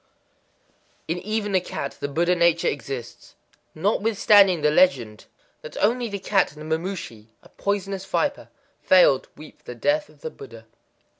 _ In even a cat the Buddha nature exists. Notwithstanding the legend that only the cat and the mamushi (a poisonous viper) failed to weep for the death of the Buddha.